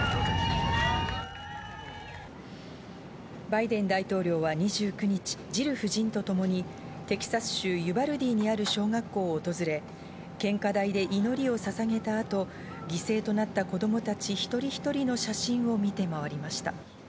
バイデン大統領は２９日、ジル夫人とともにテキサス州ユバルディにある小学校を訪れ、献花台で祈りをささげた後、犠牲となった子供たち、一人一人の写真を見て回りました。